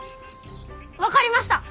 分かりました。